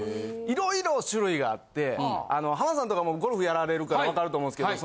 いろいろ種類があって浜田さんとかもゴルフやられるから分かると思うんですけど。